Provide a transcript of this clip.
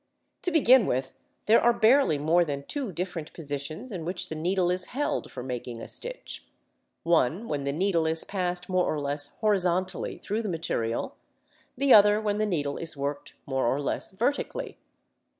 To begin with, there are barely more than two different positions in which the needle is held for making a stitch one when the needle is passed more or less horizontally through the material, the other when the needle is worked more or less vertically.